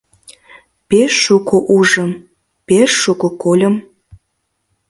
Пеш шуко ужым, пеш шуко кольым.